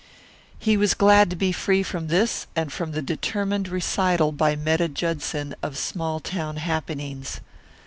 He was glad to be free from this and from the determined recital by Metta Judson of small town happenings.